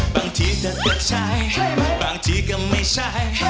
บางทีเธอก็ใช่บางทีก็ไม่ใช่